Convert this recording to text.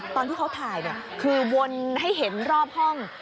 ตอนที่เขาถ่ายเนี่ยคือวนให้เห็นรอบห้อง